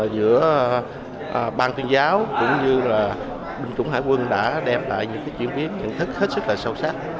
giữa bang tuyên giáo cũng như là binh chủng hải quân đã đem lại những chuyển biến nhận thức hết sức là sâu sắc